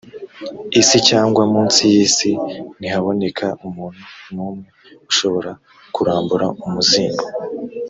isi cyangwa munsi y isi ntihaboneka umuntu n umwe ushobora kurambura umuzingo